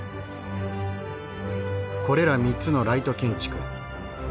これら３つのライト建築。